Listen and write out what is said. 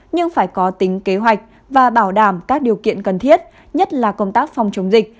nhưng phải có tính kế hoạch và bảo đảm các điều kiện cần thiết nhất là công tác phòng chống dịch